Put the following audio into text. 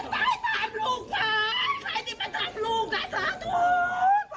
เผสายลูกชายใครที่มาถามลูกคะ